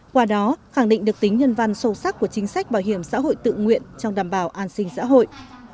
qua đó khẳng định được tính nhân văn sâu sắc của chính sách bảo hiểm xã hội tự nguyện trong đảm bảo an sinh xã hội